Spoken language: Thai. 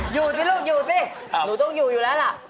อยู่สิลูกอยู่สิหนูต้องอยู่อยู่แล้วล่ะ